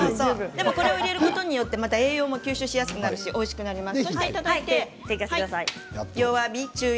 これを入れることによって栄養の吸収されやすいしおいしくなります。